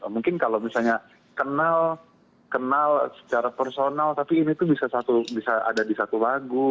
mungkin kalau misalnya kenal kenal secara personal tapi ini tuh bisa ada di satu lagu